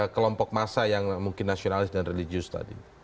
kelompok massa yang mungkin nasionalis dan religius tadi